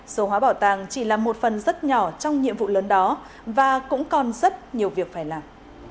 số hóa bảo tàng chỉ là một phần rất nhỏ trong nhiệm vụ lớn đó và cũng còn rất nhiều việc phải làm